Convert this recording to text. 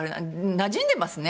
なじんでますね。